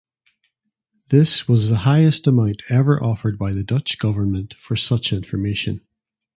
This was the highest amount ever offered by the Dutch government for such information.